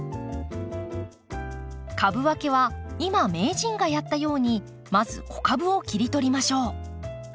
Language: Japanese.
株分けは今名人がやったようにまず子株を切り取りましょう。